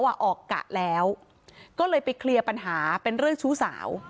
ออกกะแล้วก็เลยไปเคลียร์ปัญหาเป็นเรื่องชู้สาว